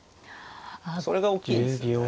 それが大きいですね。